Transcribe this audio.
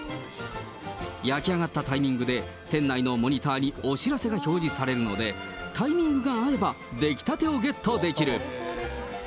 焼き上がったタイミングで、店内のモニターにお知らせが表示されるので、タイミングが合えば、出来たてをゲットできる。